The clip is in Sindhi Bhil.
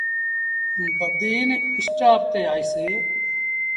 بدين اسٽآپ تي آئيٚسي۔